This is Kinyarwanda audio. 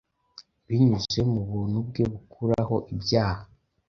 binyuze mu buntu bwe bukuraho ibyaha.